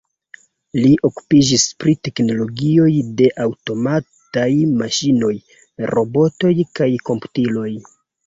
Li okupiĝis pri teknologioj de aŭtomataj maŝinoj, robotoj kaj komputiloj.